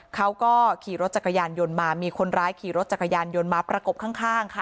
เขาก็ขี่รถจักรยานยนต์มามีคนร้ายขี่รถจักรยานยนต์มาประกบข้างค่ะ